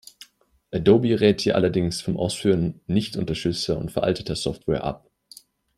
Adobe rät hier allerdings vom Ausführen nicht unterstützter und veralteter Software ab.